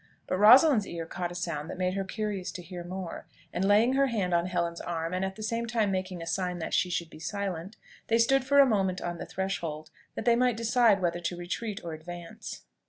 But Rosalind's ear caught a sound that made her curious to hear more; and laying her hand on Helen's arm, and at the same time making a sign that she should be silent, they stood for a moment on the threshold, that they might decide whether to retreat or advance.